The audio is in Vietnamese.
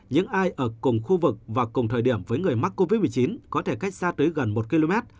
những ai ở cùng khu vực và cùng thời điểm với người mắc covid một mươi chín có thể cách xa tới gần một km